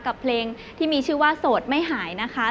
กับเพลงที่มีชื่อว่าโสดไม่หายนะคะ